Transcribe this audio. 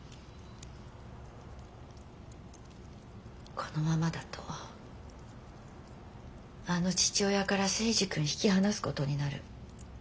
このままだとあの父親から征二君引き離すことになる。